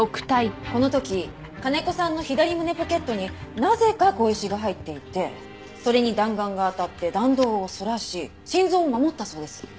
この時金子さんの左胸ポケットになぜか小石が入っていてそれに弾丸が当たって弾道をそらし心臓を守ったそうです。